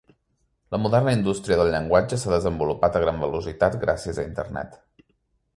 La moderna indústria del llenguatge s'ha desenvolupat a gran velocitat, gràcies a Internet.